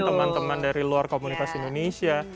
teman teman dari luar komunitas indonesia